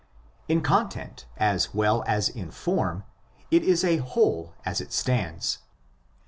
In content as well as in form it is a whole as it stands.